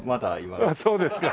そうですか。